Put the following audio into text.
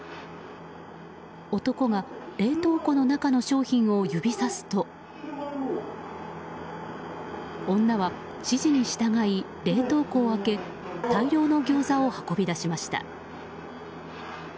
男が冷凍庫の中の商品を指さすと女は、指示に従い冷凍庫を開け大量のギョーザを運び出しました。